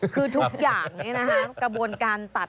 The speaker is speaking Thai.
คือทุกอย่างนี้นะครับกระบวนการตัด